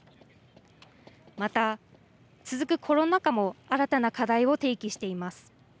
また、続くコロナ禍も新たな課題を提起しています。